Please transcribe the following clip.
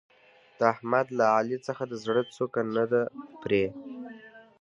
د احمد له علي څخه د زړه څوکه نه ده پرې.